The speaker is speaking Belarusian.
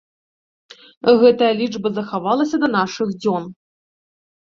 Гэтая лічба захавалася да нашых дзён.